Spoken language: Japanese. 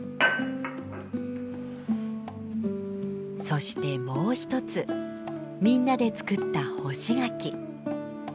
そしてもう一つみんなで作った干し柿。